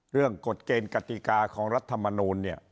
เรื่องกฎเกณฑ์กฎิกาของรัฐมนูญเนี่ย